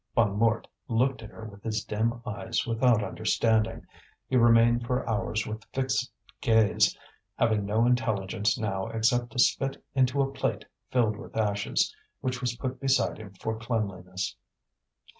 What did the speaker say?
Bonnemort looked at her with his dim eyes without understanding. He remained for hours with fixed gaze, having no intelligence now except to spit into a plate filled with ashes, which was put beside him for cleanliness.